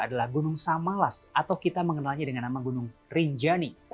adalah gunung samalas atau kita mengenalnya dengan nama gunung rinjani